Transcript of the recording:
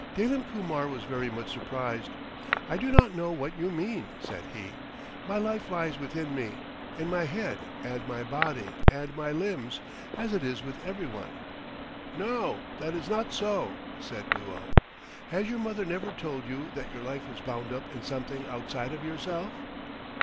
Dalim Kumar was very much surprised. "I do not know what you mean," said he. "My life lies within me, in my head and my body and my limbs, as it is with every one." "No, that is not so," said Duo. "Has your mother never told you that your life is bound up in something outside of yourself?"